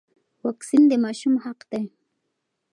واکسین د ماشوم حق دی.